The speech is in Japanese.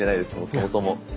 そもそも。